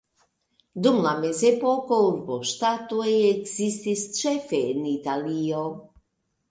Dum la mezepoko urboŝtatoj ekzistis ĉefe en Italio.